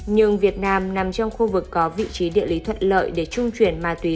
nhưng việt nam nằm trong khu vực có vị trí địa lý thuận lợi để trung chuyển ma túy